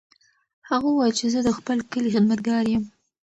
هغه وویل چې زه د خپل کلي خدمتګار یم.